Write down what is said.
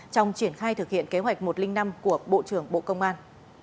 trong triển khai thực hiện kế hoạch một trăm linh năm của bộ trưởng bộ công an